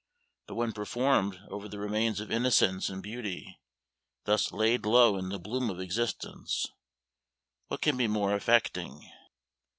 But when performed over the remains of innocence and beauty, thus laid low in the bloom of existence, what can be more affecting?